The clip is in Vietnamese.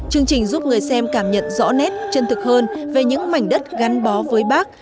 chương trình giúp người xem cảm nhận rõ nét chân thực hơn về những mảnh đất gắn bó với bác